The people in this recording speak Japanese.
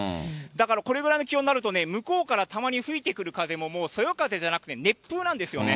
だからこれぐらいの気温になるとね、向こうからたまに吹いてくる風も、もうそよ風じゃなくて、熱風なんですよね。